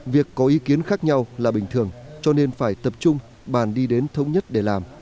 việc có ý kiến khác nhau là bình thường cho nên phải tập trung bàn đi đến thống nhất để làm